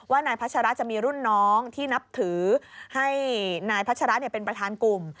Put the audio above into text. นายพัชระจะมีรุ่นน้องที่นับถือให้นายพัชระเป็นประธานกลุ่ม